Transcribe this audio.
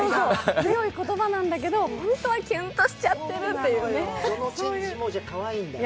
強い言葉なんだけど、本当はキュンとしちゃっているというかね。